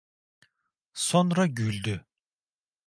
Sonra güldü.